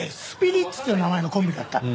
スピリッツって名前のコンビだった。